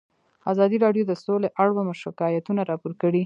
ازادي راډیو د سوله اړوند شکایتونه راپور کړي.